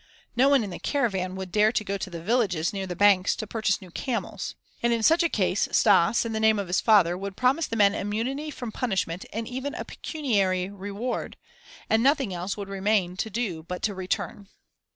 No one in the caravan would dare to go to the villages near the banks to purchase new camels. And in such a case Stas, in the name of his father, would promise the men immunity from punishment and even a pecuniary reward and nothing else would remain to do but to return.